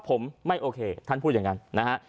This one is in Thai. ผมไม่โอเคท่านพูดอย่างนั้นนะฮะ